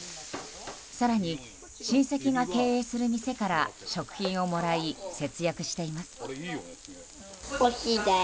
更に、親戚が経営する店から食品をもらい節約しています。